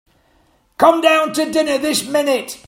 Come down to dinner this minute.